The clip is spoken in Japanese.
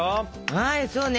はいそうね。